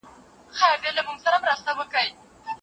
ايا حضوري ټولګي د انلاين زده کړې په پرتله د ټولګي نظم ساتي؟